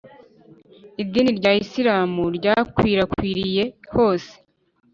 idini rya isilamu ryakwirakwiriye hose